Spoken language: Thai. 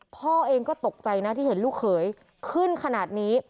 พ่อเองก็ตกใจนะที่เห็นลูกเขยขึ้นขนาดนี้